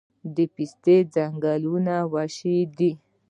د پستې ځنګلونه وحشي دي؟